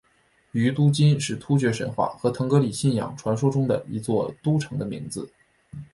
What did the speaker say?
于都斤是突厥神话和腾格里信仰传说中的一座都城的名字。